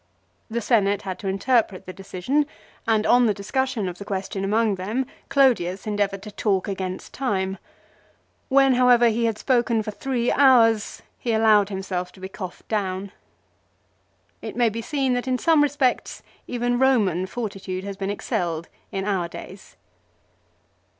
The Senate had to interpret the decision, and on the discussion of the question among them Clodius endeavoured to talk against time. When, however, he had spoken for three hours he allowed himself to be coughed down. It may be seen that in some respects even Eoman fortitude has been excelled in our days.